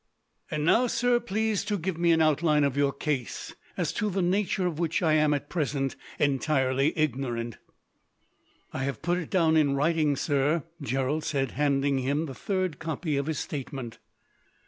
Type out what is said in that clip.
"And now, sir, please to give me an outline of your case, as to the nature of which I am, at present, entirely ignorant." "I have put it down in writing, sir," Gerald said, handing him the third copy of his statement.